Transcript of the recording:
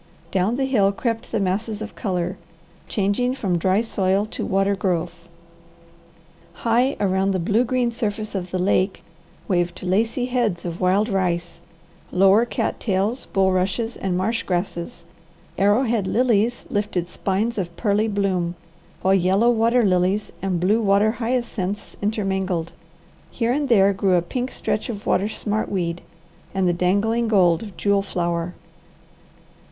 Down the hill crept the masses of colour, changing from dry soil to water growth. High around the blue green surface of the lake waved lacy heads of wild rice, lower cat tails, bulrushes, and marsh grasses; arrowhead lilies lifted spines of pearly bloom, while yellow water lilies and blue water hyacinths intermingled; here and there grew a pink stretch of water smartweed and the dangling gold of jewel flower.